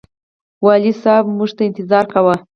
والي صاحب موږ ته انتظار کاوه.